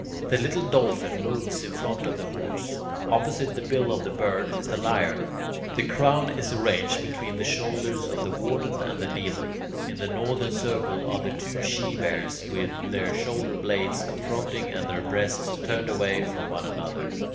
The little Dolphin moves in front of the Horse. Opposite the bill of the Bird is the Lyre. The Crown is arranged between the shoulders of the Warden and the Kneeler. In the northern circle are the two She Bears with their shoulder blades confronting and their breasts turned away from one another.